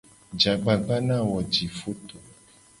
Je agbagba ne a wo jifoto.